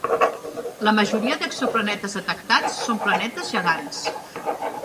La majoria d'exoplanetes detectats són planetes gegants.